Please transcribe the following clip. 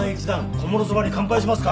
小諸そばに乾杯しますか。